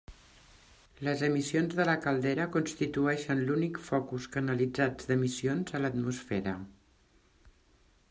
Les emissions de la caldera constituïxen l'únic focus canalitzat d'emissions a l'atmosfera.